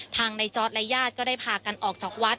ทางนายจ๊อสลายญาติก็ได้พากันออกจากวัด